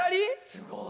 すごい。